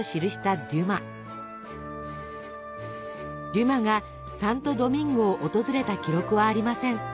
デュマがサントドミンゴを訪れた記録はありません。